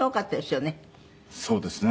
そうですね。